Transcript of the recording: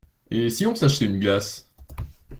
Et si on s’achetait une glace?